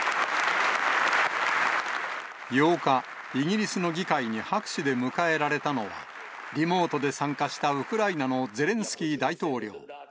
８日、イギリスの議会に拍手で迎えられたのは、リモートで参加したウクライナのゼレンスキー大統領。